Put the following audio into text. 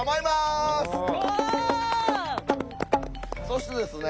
そしてですね